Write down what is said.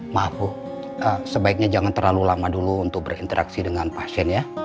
maaf bu sebaiknya jangan terlalu lama dulu untuk berinteraksi dengan pasien ya